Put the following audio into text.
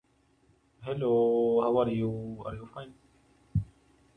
Greenwood has also been contributing editor and creative editor of "Dragon" magazine.